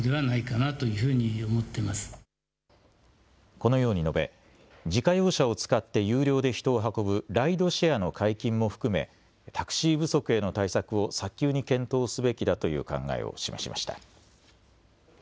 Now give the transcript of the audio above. このように述べ自家用車を使って有料で人を運ぶライドシェアの解禁も含めタクシー不足への対策を早急に検討すべきだという考えを示しました。